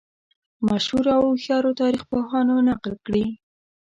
مشهورو او هوښیارو تاریخ پوهانو نقل کړې.